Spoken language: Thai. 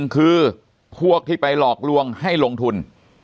คือพวกที่ไปหลอกลวงให้ลงทุน